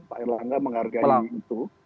pak erlangga menghargai itu